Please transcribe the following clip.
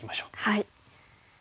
はい。